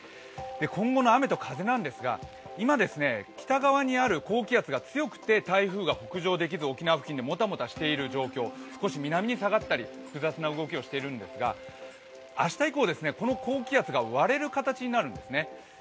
今後の雨と風なんですが今北側にある高気圧が強くて台風が北上できず沖縄県でもたもたしている状況、少し南に下がったり複雑な動きをしているんですが、明日以降、この高気圧が割れる形になるんですね。